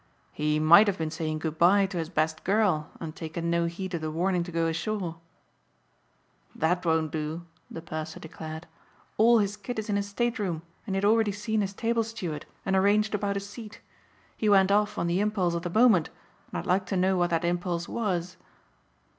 "He might have been saying goodbye to his best girl and taken no heed of the warning to go ashore." "That won't do," the purser declared. "All his kit is in his stateroom and he had already seen his table steward and arranged about his seat. He went off on the impulse of the moment and I'd like to know what that impulse was."